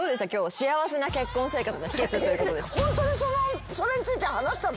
幸せな結婚生活の秘訣という。